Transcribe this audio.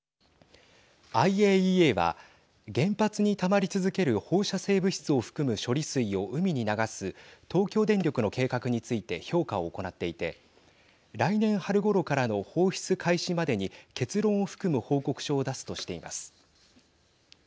ＩＡＥＡは原発にたまり続ける放射性物質を含む処理水を海に流す東京電力の計画について評価を行っていて来年春ごろからの放出開始までに結論を含む報告書を出すとしています。